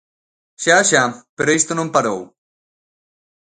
Xa, xa, pero isto non parou.